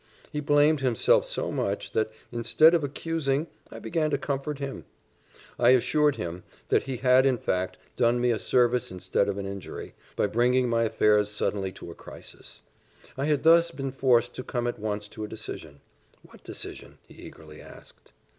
He blamed himself so much, that, instead of accusing, I began to comfort him. I assured him that he had, in fact, done me a service instead of an injury, by bringing my affairs suddenly to a crisis: I had thus been forced to come at once to a decision. "What decision?" he eagerly asked.